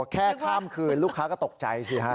แค่ข้ามคืนลูกค้าก็ตกใจสิฮะ